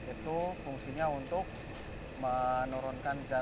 itu fungsinya untuk menurunkan